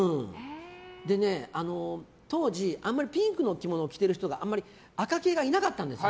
で、当時あんまりピンクの着物を着てる方であんまり赤系がいなかったんです。